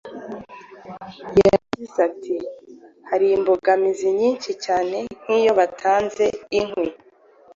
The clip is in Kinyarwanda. Yagize ati: “Hari imbogamizi nyinshi cyane nk’iyo batanze inkwi